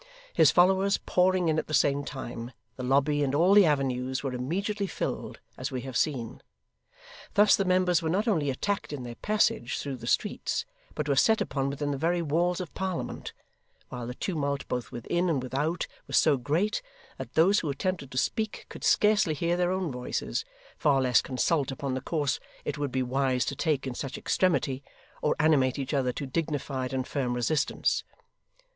His followers pouring in at the same time, the lobby and all the avenues were immediately filled, as we have seen. Thus the members were not only attacked in their passage through the streets, but were set upon within the very walls of Parliament; while the tumult, both within and without, was so great, that those who attempted to speak could scarcely hear their own voices: far less, consult upon the course it would be wise to take in such extremity, or animate each other to dignified and firm resistance.